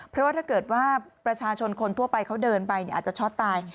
เพราะว่าถ้าเกิดว่าประชาชนคนทั่วไปเขาเดินไปอาจจะช็อตตาย